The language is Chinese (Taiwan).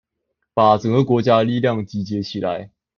把整個國家的力量集結起來